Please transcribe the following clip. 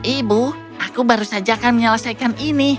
ibu aku baru saja akan menyelesaikan ini